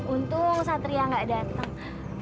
untungnya satria tidak datang